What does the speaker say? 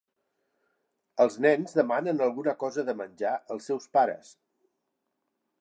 Els nens demanen alguna cosa de menjar als seus pares.